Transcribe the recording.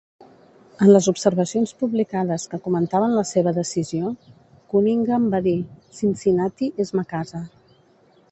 En les observacions publicades que comentaven la seva decisió, Cunningham va dir: "Cincinnati és ma casa".